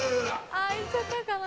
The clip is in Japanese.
あぁいっちゃったかな。